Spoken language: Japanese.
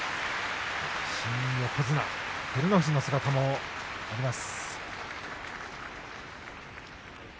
新横綱照ノ富士の姿があります。